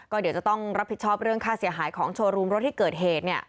ก็เดี๋ยวจะต้องรับผิดชอบเรื่องค่าเสียหายของโชว์รูมรถที่เกิดเหตุ